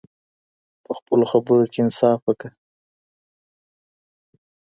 په خپلو خبرو کې انصاف وکړه.